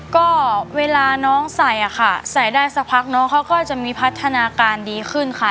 ก็เวลาน้องใส่อะค่ะใส่ได้สักพักน้องเขาก็จะมีพัฒนาการดีขึ้นค่ะ